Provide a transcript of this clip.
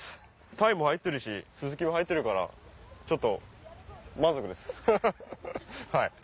鯛も入ってるしスズキも入ってるからちょっと満足ですハハハ。